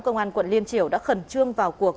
công an quận liên triều đã khẩn trương vào cuộc